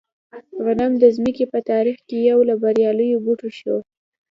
غنم د ځمکې په تاریخ کې یو له بریالیو بوټو شو.